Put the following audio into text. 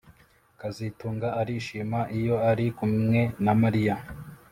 kazitunga arishima iyo ari kumwe na Mariya